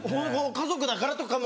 家族だからとかも。